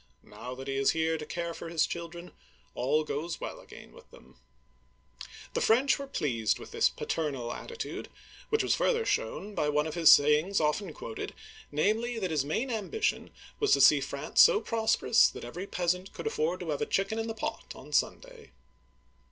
Now that he is here to care for his children, all goes well again with them !" The French were pleased with this paternal attitude, which was further shown by one of his sayings often quoted — namely, that his main ambition was to see France so prosperous that every peasant could afford to have a chicken in the pot on Sunday